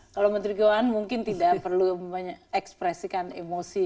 kalau menteri keuangan mungkin tidak perlu mengekspresikan emosi